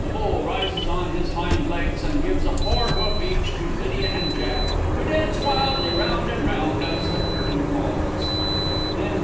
[The Bull rises on his hindlegs, and gives a forehoof each to LYDIA and JACK, who dance wildly round and round as the Curtain falls. [N.